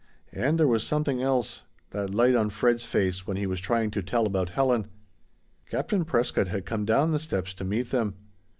And there was something else. That light on Fred's face when he was trying to tell about Helen. Captain Prescott had come down the steps to meet them.